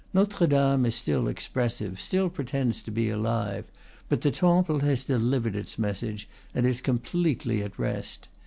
Notre Dame is still ex pressive, still pretends to be alive; but the Temple has delivered its message, and is completely at rest.